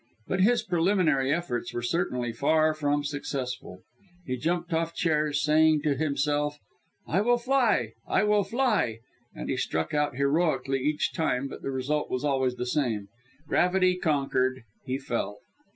But his preliminary efforts were certainly far from successful. He jumped off chairs saying to himself, "I'll fly! I will fly," and he struck out heroically each time, but the result was always the same gravity conquered he fell.